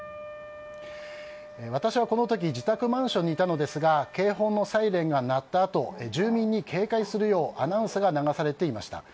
私はこの時自宅マンションにいたのですが警報のサイレンが鳴ったあと住民に警戒するようアナウンスが流されていました。